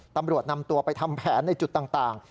ตำรวจนำตัวไปทำแผนในจุดต่าง